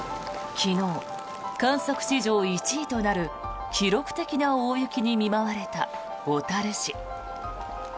昨日、観測史上１位となる記録的な大雪に見舞われた小樽市。